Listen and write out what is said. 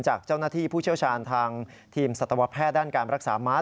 จากเจ้าหน้าที่ผู้เชี่ยวชาญทางทีมสัตวแพทย์ด้านการรักษาม้า